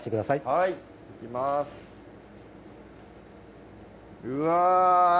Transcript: はいいきますうわ